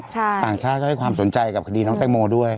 ต่างชาติก็ให้ความสนใจกับคดีน้องแตงโมด้วย